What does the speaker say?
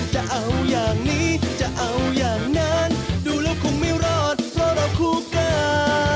จะเอาอย่างนี้จะเอาอย่างนั้นดูแล้วคงไม่รอดเพราะเราคู่กัน